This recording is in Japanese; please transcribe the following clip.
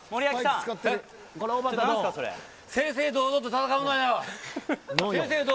正々堂々と戦うのよ。